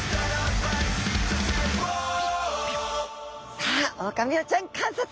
さあオオカミウオちゃん観察です。